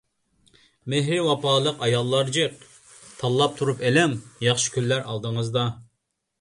مېھرى ۋاپالىق ئاياللار جىق. تاللاپ تۇرۇپ ئېلىڭ! ياخشى كۈنلەر ئالدىڭىزدا.